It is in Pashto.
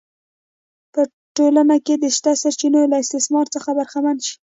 په ټولنه کې د شته سرچینو له استثمار څخه برخمن شي